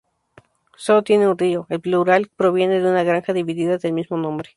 Sólo tiene un río, el plural proviene de una granja dividida del mismo nombre.